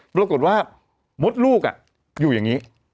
ปรากฏว่ามดลูกอยู่อย่างนี้